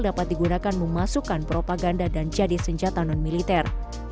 dapat digunakan memasukkan propaganda dan jadi senjata non militer